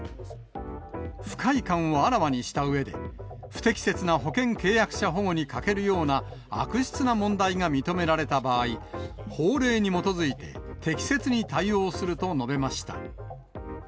不快感をあらわにしたうえで、不適切な保険契約者保護に欠けるような悪質な問題が認められた場合、法令に基づいて適切に対応すると述べました。